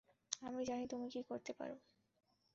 আমি জানি তুমি কি করতে পারো।